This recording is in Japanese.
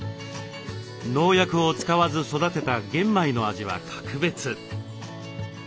農薬を使わず育てた玄米の味は格別。